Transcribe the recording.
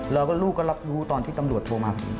แล้วก็ลูกก็รับรู้ตอนที่ตำรวจโทรมา